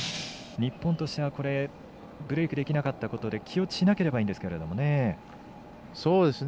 日本としてはブレークできなかったことで気落ちしなければいいんですけどね。